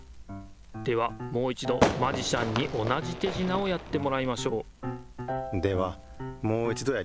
ではもういちどマジシャンに同じてじなをやってもらいましょうではもういちどやりますね。